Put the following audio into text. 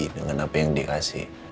dengan apa yang dia kasih